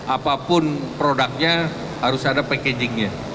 apapun produknya harus ada packagingnya